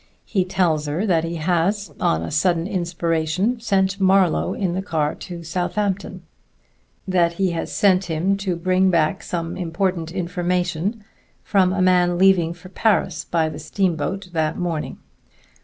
He tells her that he has, on a sudden inspiration, sent Marlowe in the car to Southampton; that he has sent him to bring back some important information from a man leaving for Paris by the steamboat that morning.